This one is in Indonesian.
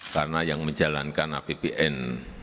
karena yang menjalankan apbn